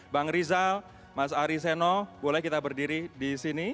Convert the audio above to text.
bang rizal mas ari seno boleh kita berdiri disini